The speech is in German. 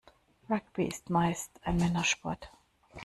Rugby ist meist ein Männersport.